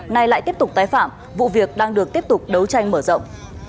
nay lại tiếp tục tái phạm vụ việc đang được tiếp tục đấu tranh mở rộng